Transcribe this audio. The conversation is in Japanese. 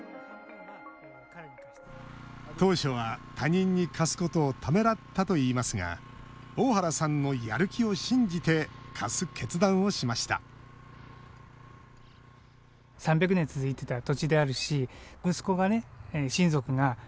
当初は、他人に貸すことをためらったといいますが大原さんのやる気を信じて貸す決断をしました頑張ってるよね。